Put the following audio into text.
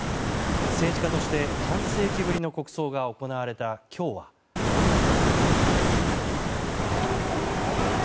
政治家として半世紀ぶりの国葬が行われた今日はどんな日だったんでしょうか。